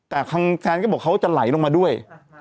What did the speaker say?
แต่ทางแฟนก็บอกเขาจะไหลลงมาด้วย